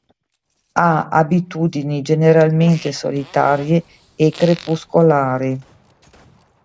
Ha abitudini generalmente solitarie e crepuscolari.